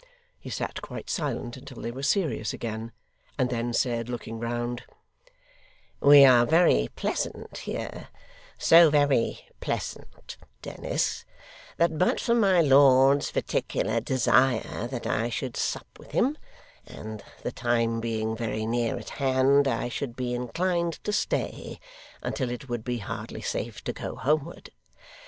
He sat quite silent until they were serious again, and then said, looking round: 'We are very pleasant here; so very pleasant, Dennis, that but for my lord's particular desire that I should sup with him, and the time being very near at hand, I should be inclined to stay, until it would be hardly safe to go homeward.